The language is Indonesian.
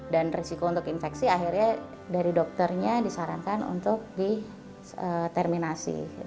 dan risiko untuk infeksi akhirnya dari dokternya disarankan untuk di terminasi